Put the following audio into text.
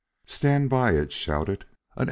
"Stand by!" it shouted. "An S.